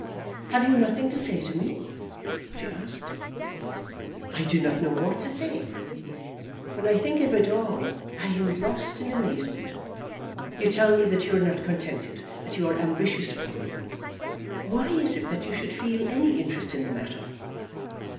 "Have you nothing to say to me?" she asked. "I do not know what to say. When I think of it all, I am lost in amazement. You tell me that you are not contented; that you are ambitious for me. Why is it that you should feel any interest in the matter?"